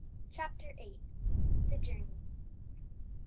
CHAPTER VIII. THE JOURNEY.